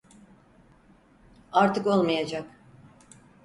Artık olmayacak.